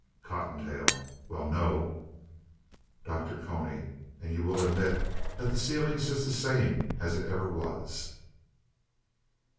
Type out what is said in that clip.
COTTONTAIL Well, no. DR. CONY And you will admit that the ceiling's just the same as it ever was?